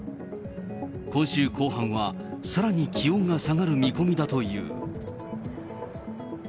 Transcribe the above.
今週後半はさらに気温が下がる見込みだという。